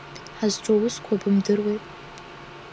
Ҳазҿу аусқәа бымдыруеи.